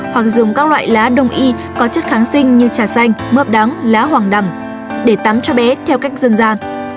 hoặc dùng các loại lá đông y có chất kháng sinh như trà xanh mượp đắng lá hoàng đằng để tắm cho bé theo cách dân gian